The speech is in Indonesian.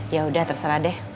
ya udah terserah deh